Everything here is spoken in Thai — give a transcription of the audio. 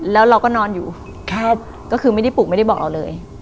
แล้วเราก็นอนอยู่แค่ก็คือไม่ได้ปลูกไม่ได้บอกเราเลย